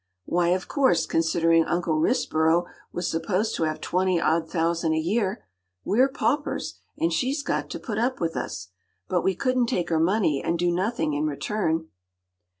” “Why of course, considering Uncle Risborough was supposed to have twenty odd thousand a year. We’re paupers, and she’s got to put up with us. But we couldn’t take her money and do nothing in return.